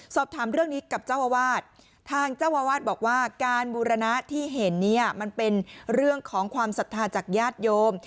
สอบถามเรื่องนี้กับเจ้าอาวาสทางเจ้าอาวาสบอกว่าการบูรณะที่เห็นเนี่ยมันเป็นเรื่องของความศรัทธาจากญาติโยม